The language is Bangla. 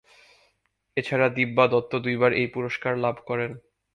এছাড়া দিব্যা দত্ত দুইবার এই পুরস্কার লাভ করেন।